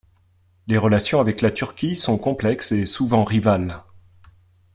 Les relations avec la Turquie sont complexes et souvent rivales.